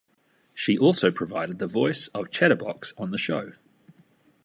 She also provided the voice of Chatterbox on the show.